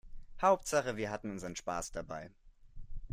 Hauptsache wir hatten unseren Spaß dabei.